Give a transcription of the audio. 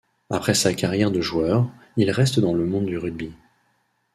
Après sa carrière de joueur, il reste dans le monde du rugby.